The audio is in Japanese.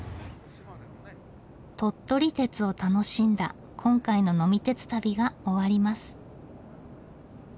鳥取鉄を楽しんだ今回の呑み鉄旅が終わります。